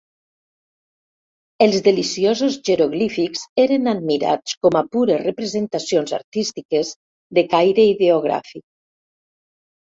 Els deliciosos jeroglífics eren admirats com a pures representacions artístiques de caire ideogràfic.